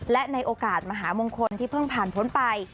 และในโอกาสมหามงคลที่เพิ่งผ่านพ้นไป